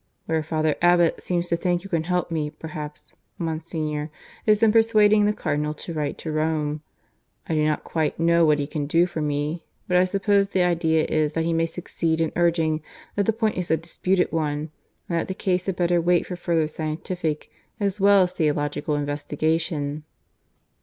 "Where Father Abbot seems to think you can help me perhaps, Monsignor, is in persuading the Cardinal to write to Rome. I do not quite know what he can do for me; but I suppose the idea is that he may succeed in urging that the point is a disputed one, and that the case had better wait for further scientific as well as theological investigation."